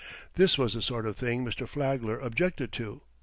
This was the sort of thing Mr. Flagler objected to.